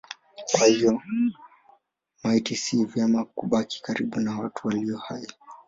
Kwa hiyo maiti si vema kubaki karibu na watu walio hai.